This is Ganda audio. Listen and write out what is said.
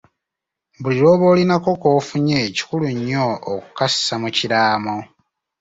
Buli lw'oba olinako k'onfunye kikulu nnyo okukassa mu kiraamo.